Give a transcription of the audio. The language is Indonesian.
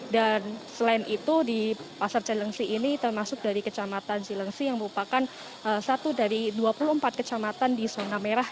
dan selain itu di pasar cilangsi ini termasuk dari kecamatan cilangsi yang merupakan satu dari dua puluh empat kecamatan di zona merah